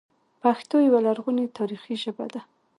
پښتو یوه لرغونې تاریخي ژبه ده